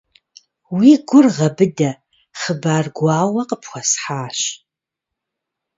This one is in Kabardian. Уи гур гъэбыдэ, хъыбар гуауэ къыпхуэсхьащ.